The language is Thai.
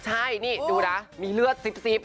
ใช่นี่ดูนะมีเลือดซิบ